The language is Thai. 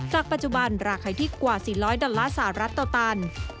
จากปัจจุบันมาฆ่าไว้ถูกกว่า๔๐๐ดอลล่าสารัฐตน